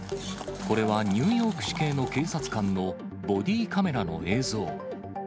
これはニューヨーク市警の警察官のボディーカメラの映像。